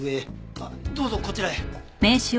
あっどうぞこちらへ。